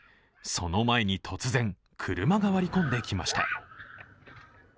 その前に突然、車が割り込んできました。